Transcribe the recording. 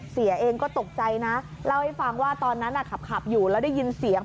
เสียเองก็ตกใจนะเล่าให้ฟังว่าตอนนั้นขับอยู่แล้วได้ยินเสียง